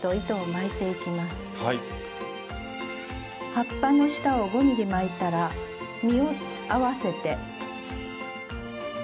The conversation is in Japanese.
葉っぱの下を５ｍｍ巻いたら実を合わせて。